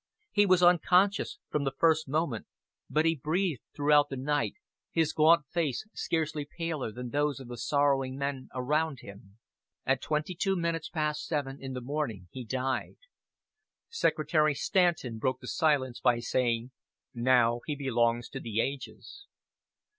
He was unconscious from the first moment, but he breathed throughout the night, his gaunt face scarcely paler than those of the sorrowing men around him. At twenty two minutes past seven in the morning he died. Secretary Stanton broke the silence by saying, "Now he belongs to the ages."